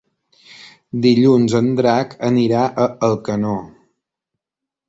Dilluns en Drac anirà a Alcanó.